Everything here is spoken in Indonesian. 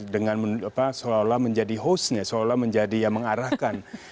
dengan seolah olah menjadi hostnya seolah menjadi yang mengarahkan